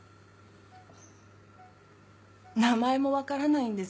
名前も分からないんです。